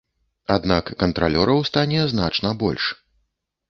Аднак кантралёраў стане значна больш.